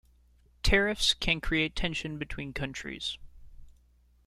Tariffs can create tension between countries.